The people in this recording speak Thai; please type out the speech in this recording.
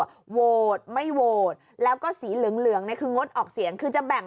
อยู่โวตไม่โวตแล้วก็สีลึงในคืองดออกเสียงคือจะแบ่ง